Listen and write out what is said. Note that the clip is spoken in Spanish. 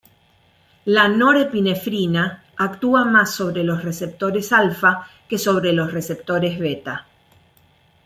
La norepinefrina actúa más sobre los receptores alfa que sobre los receptores beta.